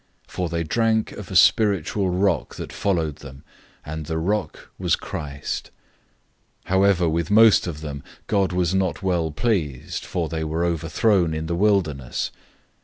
For they drank of a spiritual rock that followed them, and the rock was Christ. 010:005 However with most of them, God was not well pleased, for they were overthrown in the wilderness.